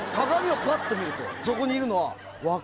そこにいるのは。